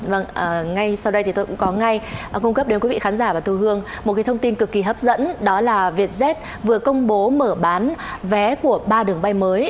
vâng ngay sau đây thì tôi cũng có ngay cung cấp đến quý vị khán giả và tô hương một cái thông tin cực kỳ hấp dẫn đó là vietjet vừa công bố mở bán vé của ba đường bay mới